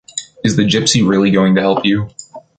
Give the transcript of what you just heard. Is the gypsy really going to help you?